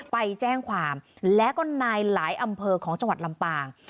ไปแจ้งความแล้วก็นายหลายอำเภอของจังหวัดลำปาง